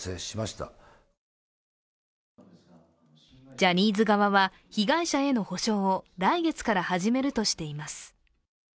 ジャニーズ側は被害者への補償を来月から始めるとしています。